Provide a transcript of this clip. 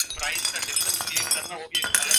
world cup fixed نہی